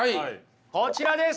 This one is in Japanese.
こちらです！